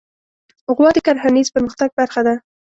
غوا د کرهڼیز پرمختګ برخه ده.